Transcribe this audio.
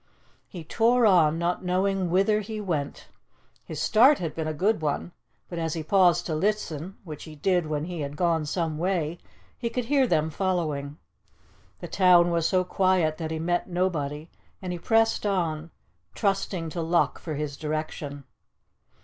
He tore on, not knowing whither he went. His start had been a good one, but as he paused to listen, which he did when he had gone some way, he could hear them following. The town was so quiet that he met nobody, and he pressed on, trusting to luck for his direction.